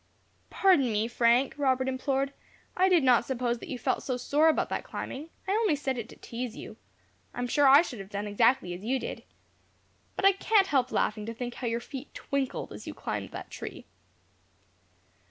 "Pardon me, Frank," Robert implored, "I did not suppose that you felt so sore about that climbing. I only said it to teaze you. I am sure I should have done exactly as you did. But I can't help laughing to think how your feet twinkled, as you climbed that tree."